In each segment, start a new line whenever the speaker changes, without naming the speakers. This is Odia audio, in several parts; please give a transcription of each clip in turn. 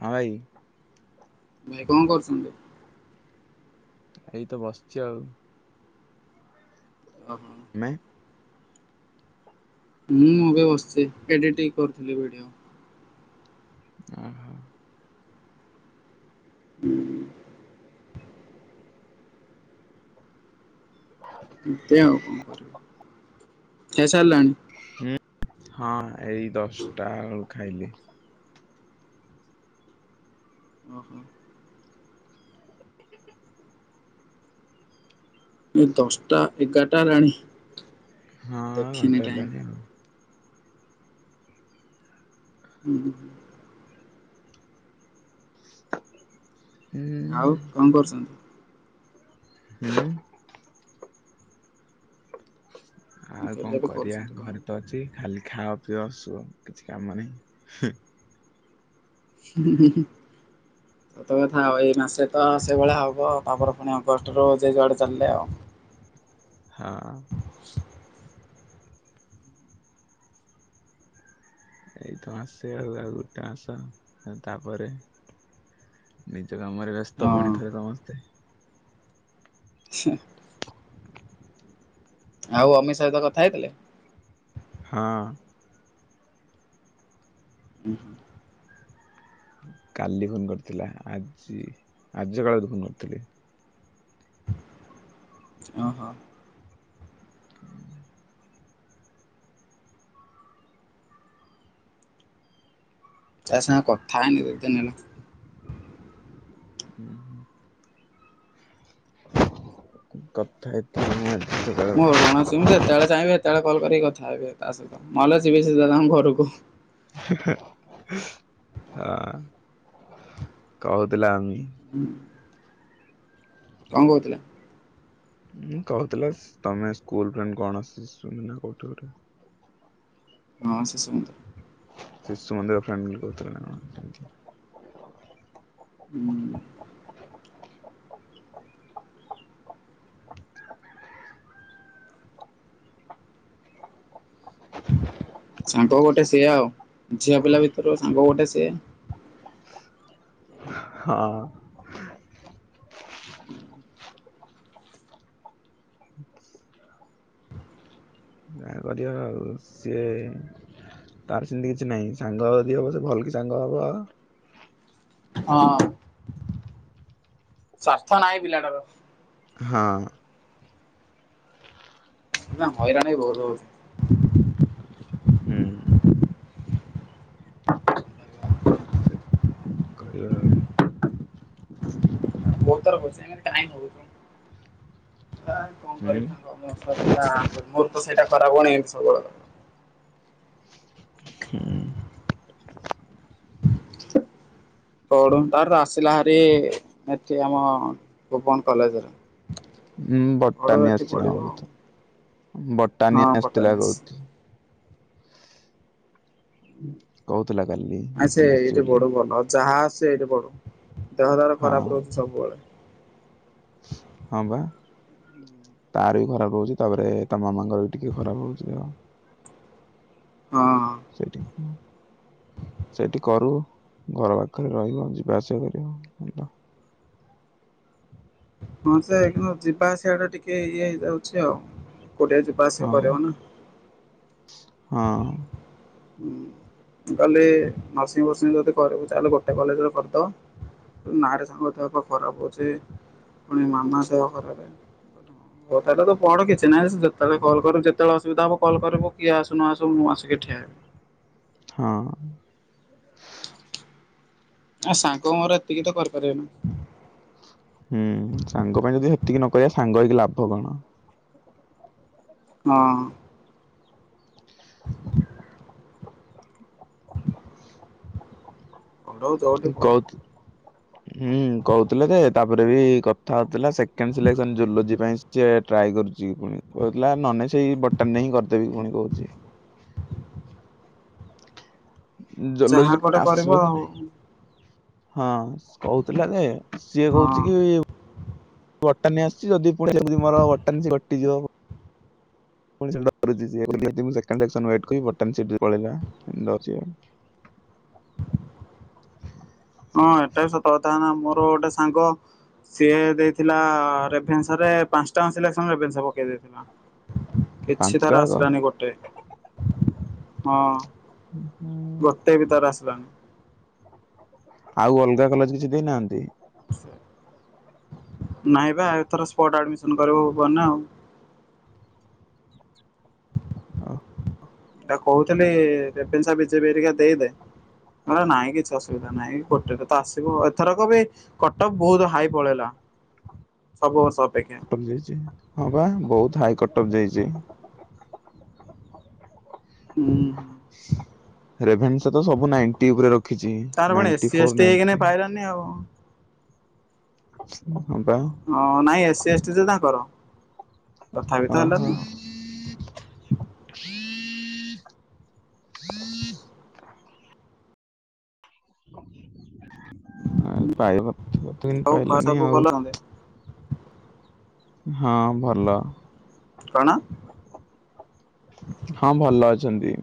ହଁ ଭାଇ।
ଭାଇ କଣ କରୁଛନ୍ତି।
ଏଇ ତ ବସିଛି ଆଉ।
[unintelligible]
ନାଇଁ।
ମୁଁ ଏବେ ବସିଛି, ଏଡିଟିଙ୍ଗ କରୁଥିଲି ଭିଡିଓ।
ଓହୋ।
ହୁଁ-ହୁଁ। ଏମ୍ତି ଆଉ କଣ କରିବା। ଖଇ ସରିଲଣି?
ହୁଁ ହଁ ଏଇ ଦଶଟା ବେଳୁ ଖାଇଲି।
ଓହୋ। ଏ ଦଶଟା ଏଗାରଟା ହେଲାଣି।
ହଁ
ଦେଖିନି
ଘଣ୍ଟେ
ଟାଇମ୍।
ହେଲାଣିି ଆଉ।
ହୁଁ ହୁଁଁ।
ହୁଁ।
ଆଉ କଣ କରୁଚନ୍ତି।
ହୁଁ।
ମୁଁ
ଆଉ
କହିଲି
କଂ
ଏବେ
କରିବା
କରୁଛନ୍ତି କଣ?
ଘରେ ତ ଅଛି ଖାଲି ଖାଅ ପିଅ ଶୁଅ କିଛି କାମ ନାହିଁ ହୁଁ।
[inaudible] ସତ କଥା ଆଉ ଏଇ ମାସେ ତ ସେଇଭଳିଆ ହେବ ତାପରେ ପୁଣି ଅଗଷ୍ଟରୁ ଯେ ଯୁଆଡ଼େ ଚାଲିଲେ ଆଉ।
ହଁ।
[inaudible]
ଏଇତ ମାସେ ଆଉ ଆଉ ଗୋଟେ ମାସ ଆଉ ତାପରେ ନିଜ କାମରେ ବ୍ୟସ୍ତ
ହଁ
ପୁଣି ଥରେ ସମସ୍ତେ।
[inaudible] ଆଉ ଅମିତ ସହିତ କଥା ହେଇଥିଲେ।
ହଁ।
ହୁଁ ହୁଁ।
କାଲି ଫୋନ କରିଥିଲା ଆଜି ଆଜି ସକାଳୁ କୁ ଫୋନ କରିଥିଲି।
ଅହଁ। ତା ସାଙ୍ଗେ କଥା ହେଇନି ଭୋଉଦିନି ହେଲା।
ହୁଁ ହୁଁ। କଥା ହେଇଥିଲେ [inaudible]
ମୋର କଣ ଅଛି ମୁଁ ଯେତେବେଳେ ଚାହିଁବି ଏତେବେଳେ କଲ୍ କରିକି କଥା ହେବି ତା ସହିତ ନହେଲେ ଯିବି ସିଧା ତାଙ୍କ ଘରୁକୁ।
ହଁ କହୁଥିଲା ଆମ୍
ହୁଁ। କଂ କହୁଥିଲା।
ହୁଁ କହୁଥିଲା ତମେ ସ୍କୁଲ ଫ୍ରେଣ୍ଡ କଣ ଶିଶୁ ମ ନା କୋଉଠି ଗୋଟେ
ହଁ ଶିଶୁ ମନ୍ଦିର।
ଶିଶୁ ମନ୍ଦିର ଫ୍ୟାମିଲି କହୁଥିଲା ନା କଣ ଏମିତି।
ହୁଁ।
[inaudible]
ସାଙ୍ଗ ଗୋଟେ ସିଏ ଆଉ। ଝିଅ ପିଲା ଭିତରୁ ଆମ୍ବ ଗୋଟେ ସିଏ।
ହଁ। ଆଗ ଦିଅ ଆଉ ସିଏ ତାର ସେମିତି କିଛି ନାହିଁ ସାଙ୍ଗ ଯଦି ହବ ସେ ଭଲ କି ସାଙ୍ଗ ହବ ଆଉ।
ହଁ ସ୍ୱାର୍ଥ ନାହିଁ ପିଲାଟାର।
ହଁ।
ନା ହଇରାଣ ବି ବହୁତୁ
ହୁଁ। କରିବା ଆଉ।
ବହୁତ ଥର [unintelligible] ଟାଇମ ହଉନି। ନ କଣ
ହୁଁ
କରିବି ସାଙ୍ଗ ମୋର ତ ସେଇଟା [unintelligible] ଏମିତି ସବୁବେଳେ କହିବ।
ହୁଁ
[inaudible] ପଢୁ ତାର ତ ଆସିଲା ହାରି ଏଠି ଆମ ଭୁବନ କଲେଜରେ।
ହଁ
ପଢୁ
ବଟାନି
ଏଠି
ଆସିଛି ନା କ
ପଢିବ ଆଉ
କହୁଥି
ହଁ
ବଟାନିଆ ଆସିଥିଲା
ପଟାନିସ୍
କହୁଥି କହୁଥିଲା କାଲି
ଆଛ ସେ
ବଟାନି ଆସିଛି
ଏଇଠି
ବୋଲି
ପଢୁ ଭଲ ଯାହା ଆସୁଚି ଏଇଠି ପଢୁ। ଦେହ ତାର
ହଁ
ଖରାପ ରହୁଛି ସବୁବେଳେ।
ହଁ ବା। ତାର ବି ଖରାପ ରହୁଛି ତାପରେ ତା ମାମାଙ୍କର ବି ଟିକେ ଖରାପ ରହୁଛି ତ।
ହଁ।
ସେଇଠି ସେଇଠି କରୁ ଘର ପାଖରେ ରହିବ, ଯିବା ଆସିବା କରିବ। [unintelligible]
ହଁ ସେ କିନ୍ତୁ ଯିବା ଆସିବା ଟା ଟିକେ ଇଏ ହେଇଯାଉଛି ଆଉ କୋଡି ଯିବା ଆସିବା
ହଁ
କରିବ ନା
ହଁ।
ହୁଁ କାଲି ନର୍ସିଂ ଫର୍ସିଂ ଯଦି କରିବୁ, ତାହଲେ ଗୋଟେ କଲେଜରେ କରିଦବ। ନାରେ ସାଙ୍ଗ ତ ଦେହ ଫେ ଖରାପ ହଉଛି, ପୁଣି ମାମା ସହ ଖରାପେ। ହଠାତ ତୁ ପଢ଼ କିଛି ନାହିଁ ଯେତେବେଳେ କଲ୍ କରିବୁ ଯେତେବେଳେ ଅସୁବିଧା ହବ କଲ୍ କରିବୁ, କିଏ ଆସୁ ନଆସୁ ମୁଁ ଆସିକି ଠିଆ ହେବି।
ହଁ।
ଆ ସାଙ୍ଗ ମୋର ଏତିକି ତ କରି ପାରିବେନା।
ହୁଁ ସାଙ୍ଗ ପାଇଁ ଯଦି ହେତିକି ନ କରିବା ସାଙ୍ଗ ହେଇକି ଲାଭ କଣ?
ହଁ। [inaudible] ହଁ ପଢୁ ଯୋଉଠି
ହୁ କହୁତି
[inaudible]
ହୁଁ କହୁଥିଲେ ଯେ ତାପରେ ବି କଥା ହଉଥିଲା ସେକେଣ୍ଡ ସିଲେକ୍ସନ ଜୁଲୋଜି ପାଇଁ ସେ ଟ୍ରାଏ କରୁଛି, ପୁଣି କହୁଥିଲା ନହନେଇ ସେଇ ବର୍ଟାନି ରେ ହିଁ କରିଦେବି ପୁଣି କହୁଛି। ଜୁଲୋଜି
ଯାହା
ରେ
ଗୋଟେ କରିବ
ଆସିବ କି
ଆଉ
ନାହିଁ? ହଁ କହୁଥିଲା ଯେ ସିଏ କହୁଛି
ହଁ।
କି ବଟାନୀ ଆସିଛି ଯଦି ପଢେଇ ସି ମର ବଟାନୀ ସେ କଟିଯିବ। ପୁଣି ସେ ଡରୁଚି ସିଏ ମୋତେ କହିଲା କି ମୁଁ ସେକେଣ୍ଡ ରିୟା ସନକୁ ୱେଟ କରିବି, ବଟାନୀ ସିଟ ବି ପଳେଇଲା। ଡରୁଚି
ହଁ ଏଟା ବି ସତ କଥା ନା ମୋର ଗୋଟେ ସାଙ୍ଗ ସିଏ ଦେଇଥିଲା ରେଭେନ୍ସା ରେ ପାଞ୍ଚଟାଆଙ୍କ ସିଲେକ୍ସନ ରେଭେନ୍ସା ପକେଇ ଦେଇଥିଲା। କିଛି
ପାଞ୍ଚଟା
ତାର
ଯାକ
ଆସିଲାନି ଗୋଟେ ହଁ
ହୁଁ
ଗୋଟେ ବି ତାର ଆସିଲାଣି।
ଆଉ ଅଲଗା କଲେଜ କିଛି ଦେଇନାହାନ୍ତି।
ନାଇଁ ବା ଏଥର ସ୍ପଟ ଆଡମିସନ କରିବୁ ଭୁବନେ ଆଉ
ଅହ
ତାକୁ କହୁଥିଲି ରେଭେନ୍ସା ବି ଜେ ବି ହେରିକା ଦେଇଦେ କହିଁଲା ନାଇଁ କିଛି ଅସୁବିଧା ନାଇଁ ଗୋଟେରେ ତ ଆସିବ, ଏଥରକ ବି କଟଫ ବହୁତ ହାଇ ପଳେଇଲା ସବୁ ବର୍ଷ ଅପେକ୍ଷା। ହୁଁ।
ଯାଇଛି ହଁ ବା ବହୁତ ହାଇ କଟକ ଯାଇଛି।
ହୁଁ
ରେଭେନ୍ସା ତ ସବୁ ନାଇଟିଉପରେ ରଖିଛି ନାଇଟି ଫୋର ନାଇ
ତାନି ଆଉ
ହ ବା
ହଁ ନାଇଁ ଏସି ଏସ୍ଟି ଯେ ତାଙ୍କର ତଥାପି ତ
ଓହୋ
ହେଲାନି
ପାଇବ ତ କେମିତି
ହଉ ଘରେ
ପାଇଲାନି
ସବୁ
ଆଉ
ଭଲ ଅଛନ୍ତି
ହଁ ଭଲ
କଣ
ହଁ ଭଲ ଅଛନ୍ତି।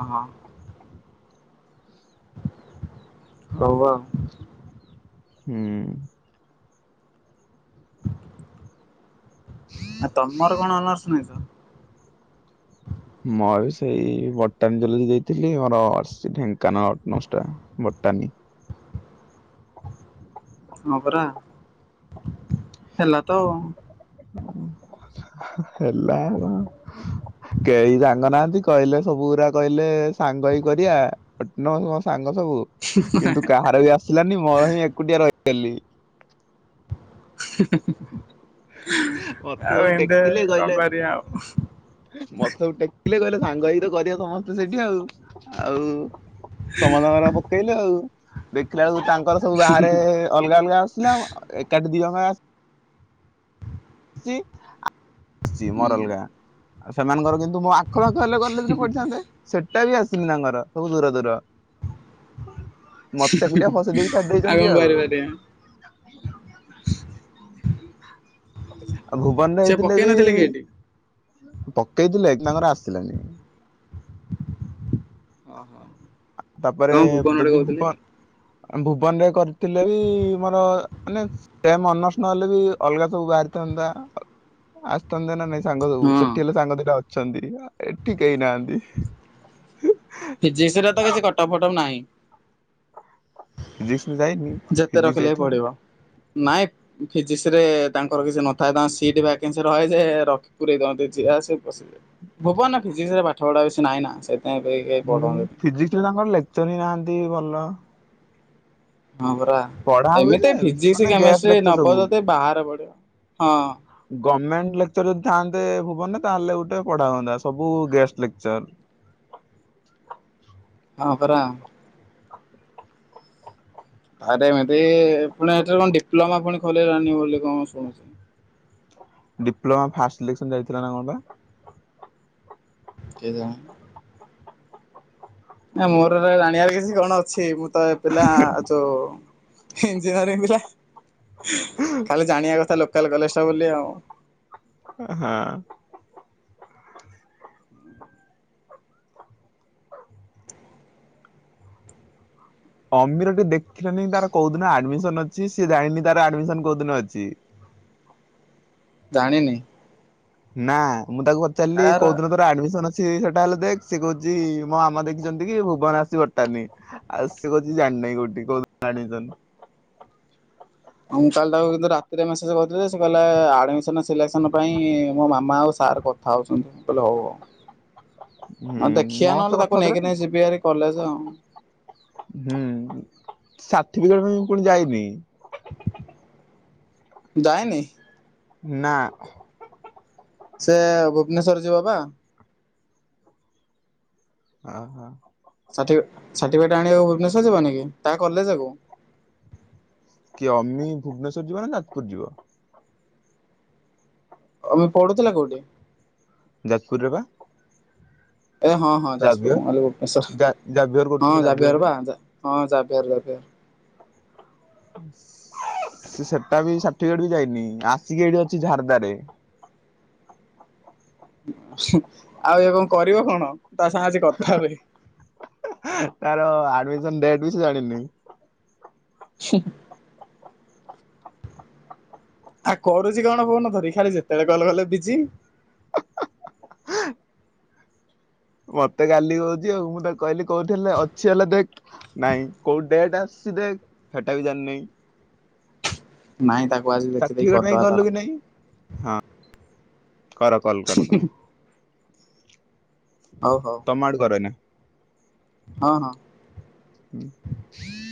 ଓହୋ [inaudible]
ହୁଁ।
ଆଉ ତମର କଣ ଅନର୍ଷ ନେଇଛ?
ମୋର ବି ସେଇ ବଟାନୀ ଜଲଦି ଦେଇଥିଲି ମୋର ଆସିଛି ଢେଙ୍କାନାଳ ଅନର୍ସଟା ବଟାନୀ।
ହଁ ପରା ହେଲା ତ ଆଉ
ହେଲା। କେହି ସାଙ୍ଗ ନାହାନ୍ତି କହିଲେ ସବୁ ଗୁରା କହିଲେ ସାଙ୍ଗ ହେଇ କରିବା? [inaudible] ମୋ ସାଙ୍ଗ ସବୁ କିନ୍ତୁ କାହାର ବି ଆସିଲାନି ମୋର ହିଁ ଏକୁଟିଆ ରହିଗଲି। ମତେ
ଆଉ
ସବୁ
ଏଣ୍ଡେ
ଟେକିଲେ
କଣ
କହିଲେ
କରିବା ଆଉ
ମତେ ସବୁ ଟେକିଲେ କହିଲେ ସାଙ୍ଗ ହେଇକିତ କରିବା ସମସ୍ତେ ସେଠି ଆଉ ଆଉ ସମାନ ପକେଇଲେ ଆଉ ଦେଖିଲା ବେଳକୁ ତାଙ୍କର ସବୁ ବାହାରେ ଅଲଗା ଅଲଗା ଆସିଲା ଆଉ ଏକାଟିି ଦି ଜଣ ଚି
ହୁଁ
ମୋର ଆଲଗା ସେମାନଙ୍କର ଆସିଚି କିନ୍ତୁ କଣ କଲେ ଗଲେ ବି କଲେଜରେ ପଢ଼ିଥାନ୍ତେ ସେଟାବି ଆସିନି ତାଙ୍କର ସବୁ ଦୂର ଦୂର ମତେ
ଆଉ
ଏକୁଟିଆ ଫସେଇ ଦେଇକି ଛାଡି ଦେଇଛନ୍ତି
କଣ
ଆଉ।
କରିପାରିବା?
ଆଉ ଭୁବନରେ
ସେ
ହେଇଥିଲେ?
ପକେଇ
ହେଲେ
ନଥିଲେ କି ଏଠି
ପକେଇଥିଲେ ଏଇଠି ତାଙ୍କର ଆସିଲାନି?
ଅହ।
ତାପରେ ଯଦି ଭୁବନ ଭୁବନରେ କରିଥିଲେ ବି ମୋର ମାନେ ସେ ଅନର୍ସ ନହେଲେ ବି ଅଲଗା ସବୁ ବାହାରିଥାନ୍ତା ଆସିଥାନ୍ତା ନା ନାହିଁ? ସାଙ୍ଗ
ହଁ
ସବୁ ସେଠି ହେଲେ ସାଙ୍ଗ ଦିଟା ଅଛନ୍ତି ଏଠି କେହି ନାହାନ୍ତି?
ଫିଜିକ୍ସର ତ କିଛି କଟଅପ ଫଟପ ନାହିଁ।
ଫିଜିକ୍ସର ନାହିଁ।
ଯେତେ ରଖିଲେ ବି ପଡିବ ନାଇଁ ଫିଜିକ୍ସରେ ତାଙ୍କର କିଛି ନଥାଏ ତାଙ୍କର ସିଟ ଭାକେନ୍ସି ରହେ ଯେ ପୂରେଇଦିଅନ୍ତି ଯିଏ ଆସିଲା ପସିଲା। ଭୁବନ ଫିଜିକ୍ସରେ ପାଠପଢା ବେଶୀ ନାଇ ନା [inaudible]
ହୁଁ ଫିଜିକ୍ସରେ ତାଙ୍କର ଲେକ୍ଚର ହିଁ ନାହାନ୍ତି ଭଲ।
ହଁ ପରା
ପଢା ହୁଏ
ଏମିତି
ଯେ
ଫିଜିକ୍ସ
ମାନେ ଗେଷ୍ଟ
କେମେଷ୍ଟ୍ରି
ଲେକ୍ଚର
ନବ
ସବୁ।
ଯଦି ବାହାରେ ପଢିବ ହଁ।
ଗମେଣ୍ଟ ଲେକ୍ଚର ଯଦି ଥାଆନ୍ତେ ଭୁବନରେ ତାହେଲେ ଗୋଟେ ପଢା ହୁଅନ୍ତା ସବୁ ଗେଷ୍ଟ ଲେକ୍ଚର।
ହଁ ପରା। ଆରେ ମେବି ଫୁଣି ଏଥିରେ କଣ ଡିପ୍ଲୋମା ପୁଣି ଖୋିଲିଲାଣି ବୋଲି କଣ ଶୁଣୁଛି?
ଡିପ୍ଲୋମା ଫାଷ୍ଟ ସିଲେକସନ ଯାଇଥିଲା ନା କଣ ପା?
କେଜା ନା ମୋର ଜାଣିବାର କିଛି କଣ ଅଛି ମୁଁ ତ ଏ ପିଲା ଯୋଉ ଇଞଜୁହାର ପିଲା ଖାଲି ଜାଣିବା କଥା ଲୋକାଲ କଲେଜଟା ବୋଲି ଆଉ
ହଁ। ଅମୀରଟି ଦେଖିଲାନି ତାର କୋଉ ଦିନ ଆଡମିସନ ଅଛି ସିଏ ଜାଣିନି ତାର ଆଡମିସନ କୋଉ ଦିନ ଅଛି?
ଜାଣିନି?
ନା ମୁଁ ତାକୁ ପଚାରିଲି
ଆର
କୋଉ ଦିନ ତୋର ଆଡମିସନ ଅ ସେ ସେଟା ହେଲେ ଦେଖ ସେ କହୁଛି ମୋ ଆାମା ଦେଖିଛନ୍ତି କି ଭୁବନ ଆସି ବଟାନୀ। ଆଉ ସେ କହୁଛି ଜାଣିନାହିଁ କୋଉଠି କୋଉଦିନ ଆଡ଼ମିଶନ?
ହଁ ମୁଁ କାଲି ତାକୁ କିନ୍ତୁ ରାତିରେ ମେସେଜ କରିଥିଲି। ସେ କିହିଲା ଆଡମିସନ ସିଲେକ୍ସନ ପାଇଁ ମୋ ମାମା ଆଉ ସାର କ କଥା ହଉଛନ୍ତି ମୁଁ କହିଲି ହଉ ହଉ।
ହୁଁ
ଆଉ ଦେଖିବା
ମୋ ସହ
ନହେଲେ
କଥା
ତାକୁ
ହଉଥିଲା ଟି।
ନେଇକିନି ଯିବି ହେରି କଲେଜ ଆଉ।
ହୁଁ, ସାର୍ଠିଫିକେଟ ପାଇଁ ପୁଣି ଯାଇନି।
ଯାଇନି?
ନା
ସେ ଭୁବନେଶ୍ଵର ଯିବ ପା
ଆହା।
ସର୍ଟି ସାର୍ଟିଫିକେଟ ଆଣିବାକୁ ଭୁବନେଶ୍ୱର ଯିବନି କି ତା କଲେଜକୁ?
କିଏ ଅମି ଭୁବନେଶ୍ୱର ଯିବ ନା, ଯାଜପୁର ଯିବ?
ଅମି ପଢୁଥିଲା କୋଉଠି?
ଯାଜପୁରରେ ପା।
ଏ ହଁ, ହଁ, ଯାଜପୁର
ଜାଭିୟର
ମୁଁ କହିଲି
ଜା ଜାଭିୟର
ଭୁବନେଶ୍ଵର
କରୁଥିଲା
ହଁ ଯାଭିଅର
ଜାଭିୟରରେ।
ବା ହଁ ଜାଭିଅର, ଜାଭିଅର।
ସେ ସେଟା ବି ସାଠିଫିକେଟ ବି ଯାଇନି ଆସିକି ଏଇଠି ଅଛି ଝାରଦା ରେ
ହୁଁ ଆଉ ଇଏ କଣ କରିବ କଣ ତା ସାଙ୍ଗେ ଆଜି କଥା ହୁଏ।
ତାର ଆଡ଼ମିଶନ ଡେଟ ବି ସେ ଜାଣିନି।
ଛିଂ ଆଉ କରୁଛି କଣ ଫୋନ ଧରି ଖାଲି ଯେତେବେଳେ କଲ କଲେ ବିଜି।
ହେଁ - [unintelligible] ମତେ କାଲି କହୁଛି ଆଉ ମୁଁ ତାକୁ କହିଲି କଉଠିହେଲେ ଅଛି ହେଲା ଦେଖ। ନାଇଁ କୋଉ ଡେଟ ଆସିଛି ଦେଖ ହେଟା ବି ଜାଣିିନି।
ନାଇଁ ତାକୁ ଆଜି ଦେଖି ଦେଇକି
ସାର୍ଟିଫିକେଟ ପାଇଁ
କରିଦବା
ଗଲୁ କି
ତାର।
ନାଇଁ ହଁ କର କଲ କର ତୁମେ।
ହଉ ହଉ।
ତମ ଆଡୁ କର ଏଇନା।
ହଁ ହଁ।
[unintelligible]